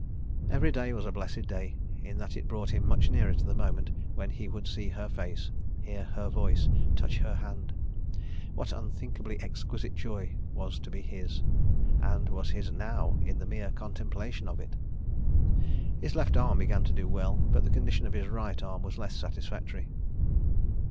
Every day was a blessed day in that it brought him much nearer to the moment when he would see her face, hear her voice, touch her hand. What unthinkably exquisite joy was to be his—and was his now in the mere contemplation of it! His left arm began to do well, but the condition of his right arm was less satisfactory.